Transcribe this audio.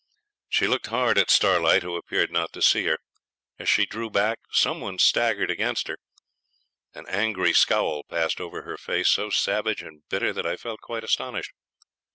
She looked hard at Starlight, who appeared not to see her. As she drew back some one staggered against her; an angry scowl passed over her face, so savage and bitter that I felt quite astonished.